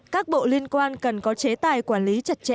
các bộ liên quan cần có chế tài quản lý chặt chẽ